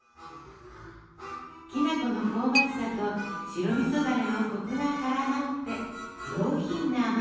きな粉の香ばしさと白みそだれのコクが絡まって上品な甘さに。